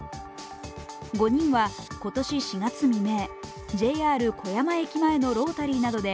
５人は今年４月未明、ＪＲ小山駅前のロータリーなどで